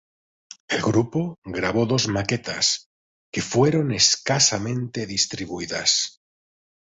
El grupo grabó dos maquetas, que fueron escasamente distribuidas.